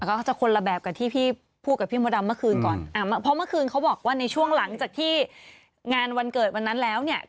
ก็จะคนละแบบกับที่พี่พูดกับพี่มดดำเมื่อคืนก่อนอ่าเพราะเมื่อคืนเขาบอกว่าในช่วงหลังจากที่งานวันเกิดวันนั้นแล้วเนี่ย